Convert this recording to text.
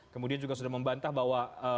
kemudian juga sudah membantah bahwa